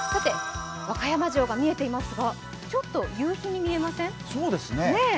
和歌山城が見えていますが、ちょっと夕日に見えません？